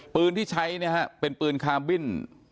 ปืนที่ใช้เป็นปืนคาร์บิ้น